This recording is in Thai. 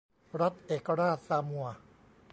รัฐเอกราชซามัว